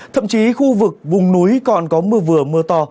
thậm chí khu vực vùng núi còn có mưa vừa mưa to